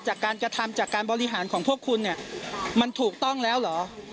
จากการกระทำจากการบริหารของพวกคุณเนี่ยมันถูกต้องแล้วเหรอ